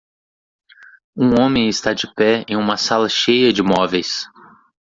Um homem está de pé em uma sala cheia de móveis.